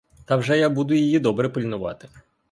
Та вже я буду її добре пильнувати.